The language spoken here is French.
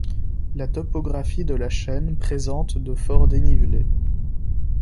La topographie de la chaîne présente de forts dénivelés.